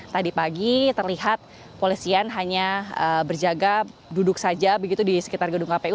tadi pagi terlihat polisian hanya berjaga duduk saja begitu di sekitar gedung kpu